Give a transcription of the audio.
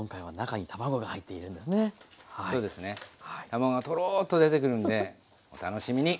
卵がトローッと出てくるんでお楽しみに！